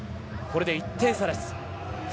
これで１点差です。